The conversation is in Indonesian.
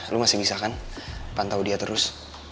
lu masih bisa kan pantau dia terus